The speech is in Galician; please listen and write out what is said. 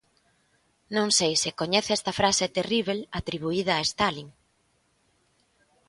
Non sei se coñece esta frase terríbel atribuída a Stalin.